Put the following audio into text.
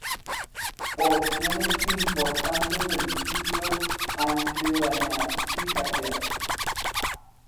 Porciones importantes del sitio han sido dañadas y saqueadas.